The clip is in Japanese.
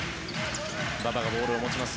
馬場がボールを持ちます。